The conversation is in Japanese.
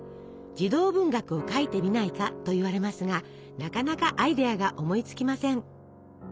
「児童文学を書いてみないか」と言われますがなかなかアイデアが思いつきません。